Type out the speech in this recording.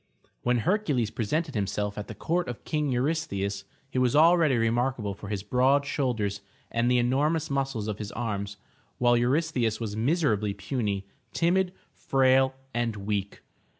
When Hercules presented himself at the court of King Eurystheus, he was already remarkable for his broad shoulders and the enormous muscles of his arms, while Eurystheus was miserably puny, timid, frail and weak.